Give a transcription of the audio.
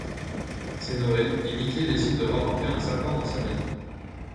C'est Noël et Mickey décide de rapporter un sapin dans sa maison.